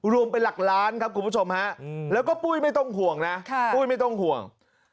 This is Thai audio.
รวมเป็นหลักล้านครับคุณผู้ชมฮะแล้วก็ปุ้ยไม่ต้องห่วงนะปุ้ยไม่ต้องห่วง